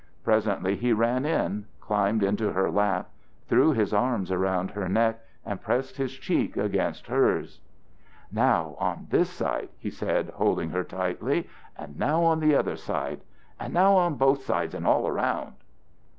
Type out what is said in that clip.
Presently he ran in, climbed into her lap, threw his arms around her neck and pressed his cheek against hers. "Now on this side," he said, holding her tightly, "and now on the other side, and now on both sides and all around."